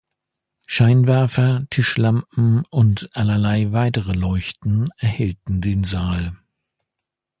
Scheinwerfer, Tischlampen und allerlei weitere Leuchten erhellten den Saal.